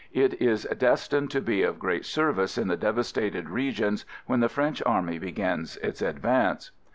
It is destined to be of great service in the devastated regions when the French Army begins its advance.